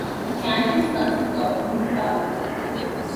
The cantons consist of municipalities.